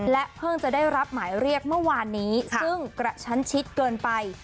เพิ่งจะได้รับหมายเรียกเมื่อวานนี้ซึ่งกระชั้นชิดเกินไป